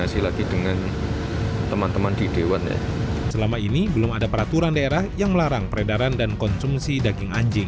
selama ini belum ada peraturan daerah yang melarang peredaran dan konsumsi daging anjing